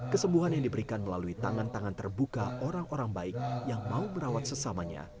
kesembuhan yang diberikan melalui tangan tangan terbuka orang orang baik yang mau merawat sesamanya